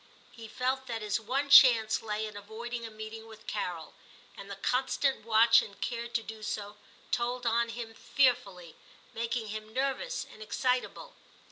He felt that his one chance lay in avoiding a meeting with Carol, and the constant watch and care to do so told on him fearfully, making him nervous and excitable.